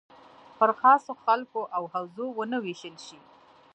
پر خاصو خلکو او حوزو ونه ویشل شي.